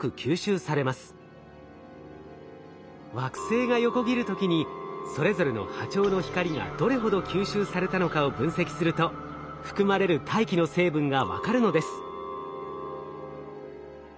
惑星が横切る時にそれぞれの波長の光がどれほど吸収されたのかを分析すると含まれる大気の成分が分かるのです。